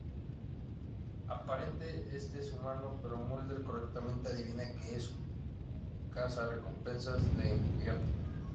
Aparente este es humano, pero Mulder correctamente adivina que es el Cazarrecompensas de encubierto.